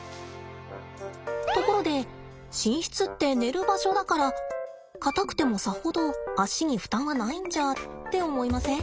ところで寝室って寝る場所だから硬くてもさほど足に負担はないんじゃ？って思いません？